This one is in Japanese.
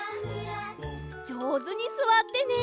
じょうずにすわってね！